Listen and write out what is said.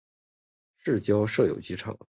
市郊设有机场。